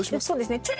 そうですね。